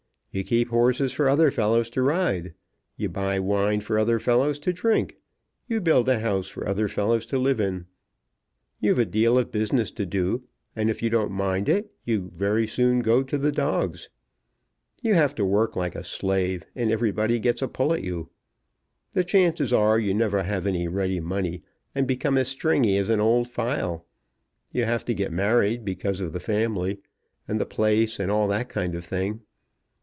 You keep horses for other fellows to ride, you buy wine for other fellows to drink, you build a house for other fellows to live in. You've a deal of business to do, and if you don't mind it you go very soon to the dogs. You have to work like a slave, and everybody gets a pull at you. The chances are you never have any ready money, and become as stingy as an old file. You have to get married because of the family, and the place, and all that kind of thing.